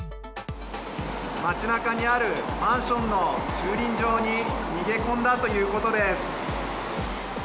町中にあるマンションの駐輪場に逃げ込んだということです。